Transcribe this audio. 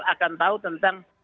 kita akan tahu tentang